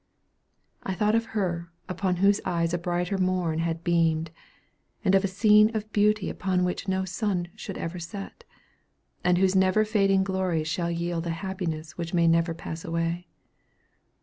I thought of her upon whose eyes a brighter morn had beamed, and of a scene of beauty upon which no sun should ever set, and whose never fading glories shall yield a happiness which may never pass away.